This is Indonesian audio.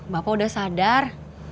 bapak udah sadar